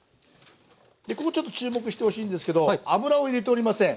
でここちょっと注目してほしいんですけど油を入れておりません。